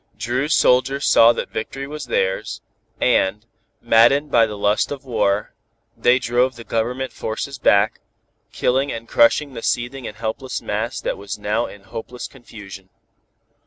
Dru's soldiers saw that victory was theirs, and, maddened by the lust of war, they drove the Government forces back, killing and crushing the seething and helpless mass that was now in hopeless confusion.